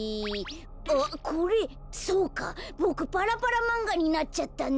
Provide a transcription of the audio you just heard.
あっこれそうか！ボクパラパラまんがになっちゃったんだ。